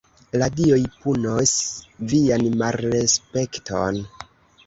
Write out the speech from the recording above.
"La dioj punos vian malrespekton."